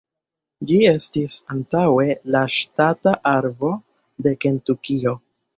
Ĝi estis antaŭe la ŝtata arbo de Kentukio.